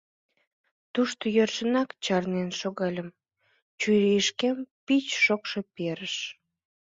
Тушто йӧршынак чарнен шогальым, чурийышкем пич шокшо перыш.